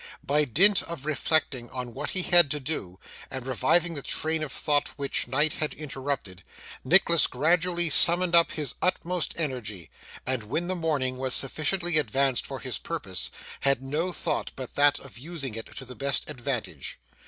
By dint of reflecting on what he had to do, and reviving the train of thought which night had interrupted, Nicholas gradually summoned up his utmost energy, and when the morning was sufficiently advanced for his purpose, had no thought but that of using it to the best advantage.